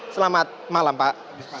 selamat malam pak gus pardi